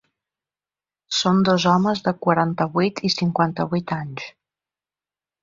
Són dos homes de quaranta-vuit i cinquanta-vuit anys.